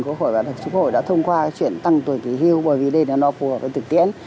có khỏi bản thân chức hội đã thông qua chuyện tăng tuổi nghỉ hưu bởi vì đây là nó phù hợp với thực tiễn